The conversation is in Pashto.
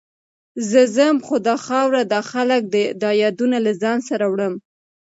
زه ځم، خو دا خاوره، دا خلک، دا یادونه له ځان سره وړم.